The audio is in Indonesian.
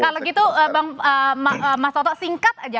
kalau gitu mas toto singkat aja